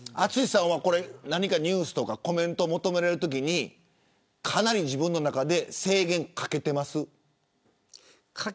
淳さんは、ニュースとかコメントを求められるときかなり自分の中で制限かけていますか。